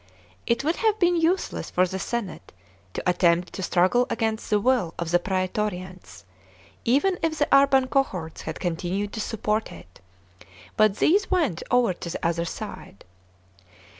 It would have been useless for the senate to attempt to struggle against the will of the praetorians, even if the urban cohorts had continued to support it, but these went over to the other side.